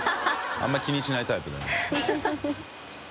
あんまり気にしないタイプだね。